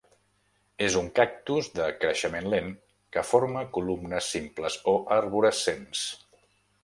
És un cactus de creixement lent que forma columnes simples o arborescents.